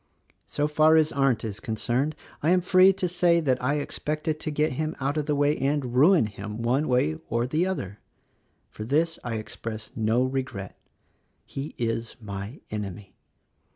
"So far as Arndt is concerned, I am free to say that I expected to get him out of the way and ruin him, one way or the other; — for this I express no regret. He is my enemy.